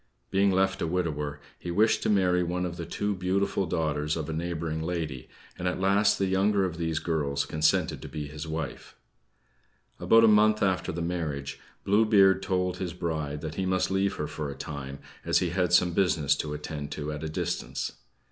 Being left a widower, he wished to marry one of the two beautiful daughters of a neighboring lady, and at last the younger of these girls consented to be his wife. About a month after the marriage, Blue Beard told his bride that he must leave her for a time, as he had some business to attend to at a distance.